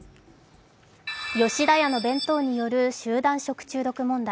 吉田屋の弁当による集団食中毒問題。